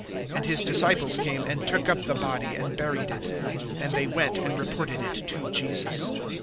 (12)And his disciples came and took up the body, and buried it; and they went and reported it to Jesus.